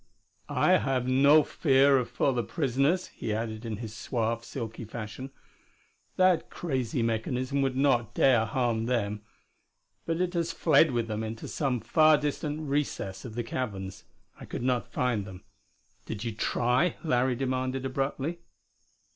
"I have no fear for the prisoners," he added in his suave, silky fashion. "That crazy mechanism would not dare harm them. But it has fled with them into some far distant recess of the caverns. I could not find them." "Did you try?" Larry demanded abruptly.